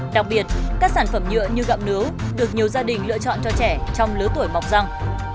đặc biệt các sản phẩm nhựa như gặm nướu được nhiều gia đình lựa chọn cho trẻ trong lứa tuổi mọc răng